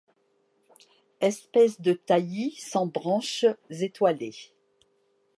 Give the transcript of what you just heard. Espèce de taillis sans branches étoilées